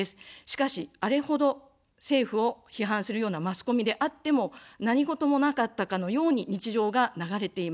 しかし、あれほど政府を批判するようなマスコミであっても何事もなかったかのように日常が流れています。